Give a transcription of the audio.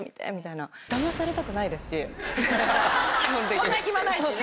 そんな暇ないしね。